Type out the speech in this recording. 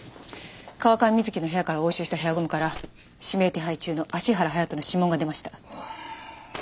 川上美月の部屋から押収したヘアゴムから指名手配中の芦原隼人の指紋が出ました。